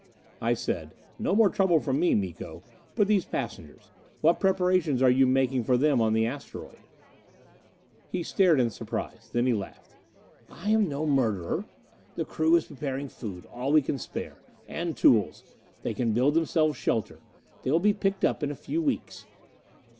I said, "No more trouble from me, Miko. But these passengers what preparation are you making for them on the asteroid?" He stared in surprise. Then he laughed. "I am no murderer. The crew is preparing food, all we can spare. And tools. They can build themselves shelter they will be picked up in a few weeks."